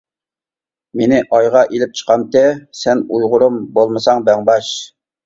مېنى ئايغا ئىلىپ چىقامتى؟ سەن ئۇيغۇرۇم بولمىساڭ بەڭباش!